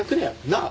なあ？